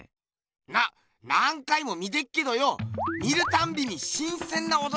な何回も見てっけどよ見るたんびにしんせんなおどろきがあるな。